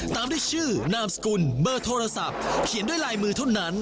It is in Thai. ตามด้วยชื่อนามสกุลเบอร์โทรศัพท์เขียนด้วยลายมือเท่านั้น